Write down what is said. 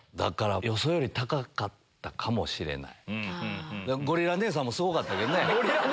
予想より高かったかもしれない。